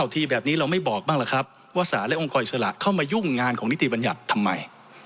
ทีแบบนี้เราไม่บอกบ้างล่ะครับว่าสารและองค์กรอิสระเข้ามายุ่งงานของนิติบัญญัติทำไม